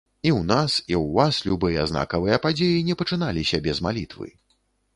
І ў нас, і ў вас любыя знакавыя падзеі не пачыналіся без малітвы.